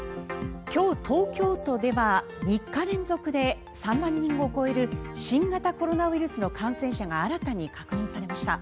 今日、東京都では３日連続で３万人を超える新型コロナウイルスの感染者が新たに確認されました。